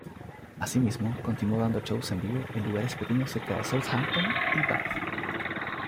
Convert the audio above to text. Asimismo, continuó dando shows en vivo en lugares pequeños cerca de Southampton y Bath.